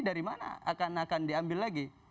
dari mana akan diambil lagi